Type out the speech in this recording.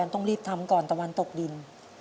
ต้องรีบทำก่อนตะวันตกดิน